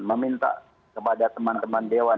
meminta kepada teman teman dewan